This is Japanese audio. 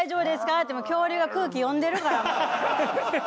って恐竜が空気読んでるからもう。